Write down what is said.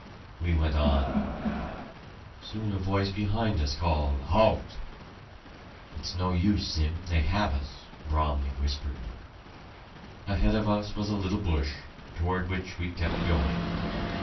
We went on. Soon a voice behind us called, "Halt!" "It's no use, Sim they have us," Bromley whispered. Ahead of us was a little bush, toward which we kept going.